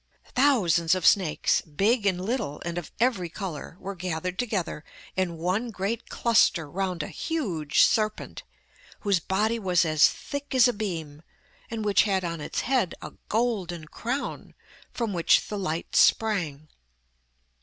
Thousands of snakes, big and little and of every colour, were gathered together in one great cluster round a huge serpent, whose body was as thick as a beam, and which had on its head a golden crown, from which the light sprang.